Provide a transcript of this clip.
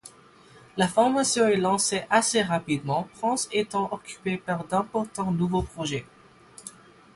La formation est lancée assez rapidement, Prince étant occupé par d'importants nouveaux projets.